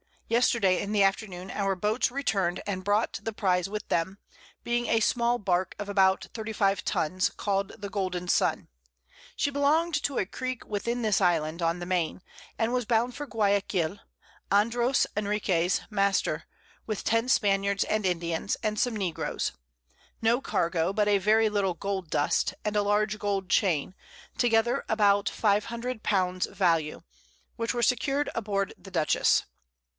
_ Yesterday in the Afternoon our Boats return'd and brought the Prize with them, being a small Bark of about 35 Tuns, call'd the Golden Sun; she belong'd to a Creek within this Island, on the Main, and was bound for Guiaquil, Andros Enriques Master, with 10 Spaniards and Indians, and some Negroes; no Cargo but a very little Gold Dust, and a large Gold Chain, together about 500 l. value, which were secur'd aboard the Dutchess.